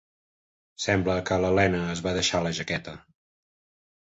Sembla que la Lena es va deixar la jaqueta.